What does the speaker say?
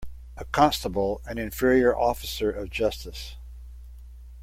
A constable an inferior officer of justice.